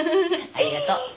ありがとう。